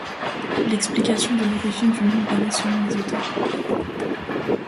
L'explication de l'origine du nom varie selon les auteurs.